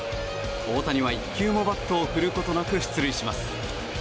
大谷は１球もバットを振ることなく出塁します。